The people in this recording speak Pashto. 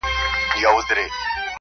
o ستا د میني زولنو کي زولانه سوم,